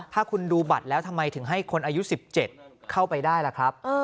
ถ้าคุณดูบัตรแล้วทำไมถึงให้คนอายุ๑๗เข้าไปได้ล่ะครับ